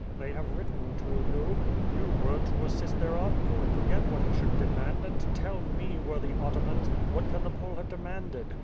They have written to you; you were to assist their envoy to get what he should demand and tell me, worthy atamans, what can the Pole have demanded.